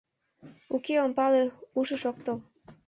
Уке, ом пале — ушыш ок тол».